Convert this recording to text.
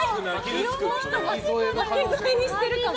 いろんな人を巻き添えにしてるかも。